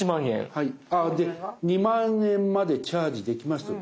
で「２０，０００円までチャージできます」と。